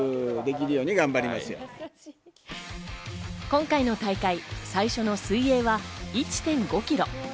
今回の大会、最初の水泳は１．５キロ。